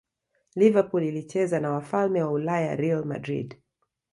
liverpool ilicheza na wafalme wa ulaya real madrid